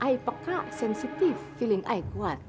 i peka sensitif feeling i kuat